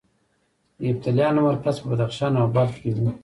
د یفتلیانو مرکز په بدخشان او بلخ کې و